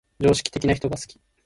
常識的な人が好き